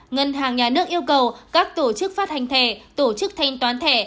ngân hàng nhà nước yêu cầu các tổ chức phát hành thẻ tổ chức thanh toán thẻ